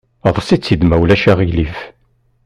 Eḍs‑itt-id ma ulac aɣilif!